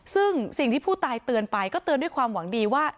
ซึ่งสิ่งที่ผู้ตายเตือนไปก็เตือนด้วยความหวังดีว่า